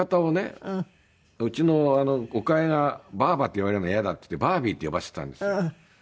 うちの岡江が「ばあば」って言われるのイヤだって言って「バービー」って呼ばせてたんですよ。